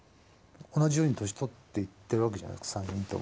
同じように年取っていってるわけじゃないですか３人とも。